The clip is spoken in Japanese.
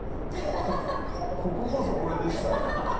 こここそこれでしたよ